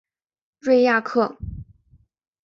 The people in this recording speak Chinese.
瑞亚克。